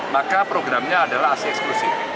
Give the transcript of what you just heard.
maka programnya adalah ac eksklusif